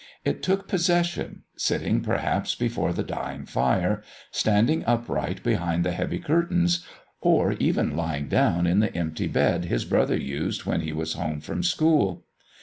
It took possession, sitting perhaps before the dying fire, standing upright behind the heavy curtains, or even lying down in the empty bed his brother used when he was home from school.